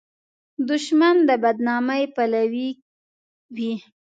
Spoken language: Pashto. دښمن د بد نامۍ پلوی وي